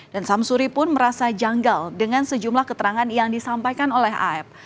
dan samsuri pun merasa janggal dengan sejumlah keterangan yang disampaikan oleh aep